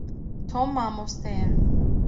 Tom mamoste ye.